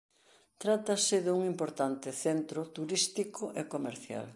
Trátase dun importante centro turístico e comercial.